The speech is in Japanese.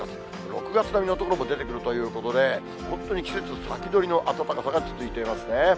６月並みの所も出てくるということで、本当に季節先取りの暖かさが続いていますね。